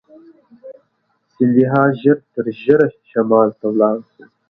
سیندهیا ژر تر ژره شمال ته ولاړ شي.